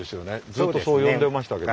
ずっとそう呼んでましたけど。